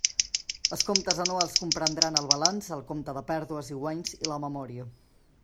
Els comptes anuals comprendran el balanç, el compte de pèrdues i guanys i la memòria.